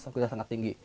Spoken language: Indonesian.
sudah sangat tinggi